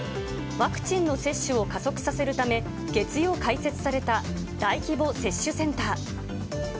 ワクチンの接種の加速させるため、月曜、開設された大規模接種センター。